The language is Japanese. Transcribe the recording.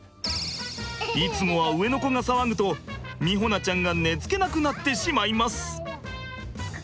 いつもは上の子が騒ぐと美穂菜ちゃんが寝つけなくなってしまいます。